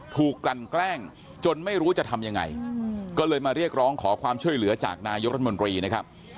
กลั่นแกล้งจนไม่รู้จะทำยังไงก็เลยมาเรียกร้องขอความช่วยเหลือจากนายกรัฐมนตรีนะครับ